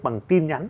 bằng tin nhắn